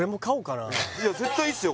絶対いいっすよ